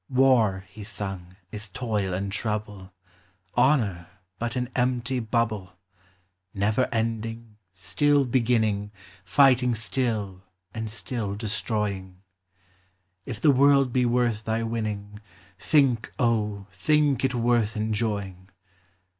War, he sung, is toil and trouble ; Honor, but an empty bubble ; Never ending, still beginning, Fighting still, and still destroying : If the world be worth thy winning, Think, O, think it worth enjoying